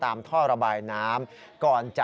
ท่อระบายน้ำก่อนจะ